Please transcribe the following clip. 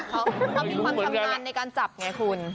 เขามีความชำนาญในการจับไงคุณ